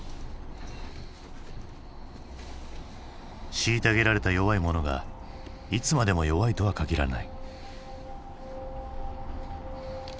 虐げられた弱い者がいつまでも弱いとはかぎらない。